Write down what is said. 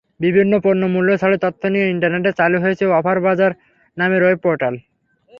বিভিন্ন পণ্যে মূল্যছাড়ের তথ্য নিয়ে ইন্টারনেটে চালু হয়েছে অফারবাজার নামের ওয়েব পোর্টাল।